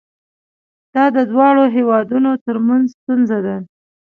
دا د دواړو هیوادونو ترمنځ ستونزه ده.